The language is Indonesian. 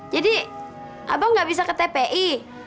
jadi abang gak bisa ke tpi